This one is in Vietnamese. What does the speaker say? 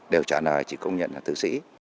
đều trả lời chỉ công nhận là thư sĩ